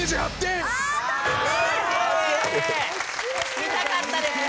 見たかったですね。